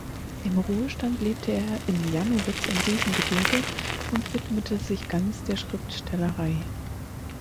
Im Ruhestand lebte er in Jannowitz im Riesengebirge und widmete sich ganz der Schriftstellerei.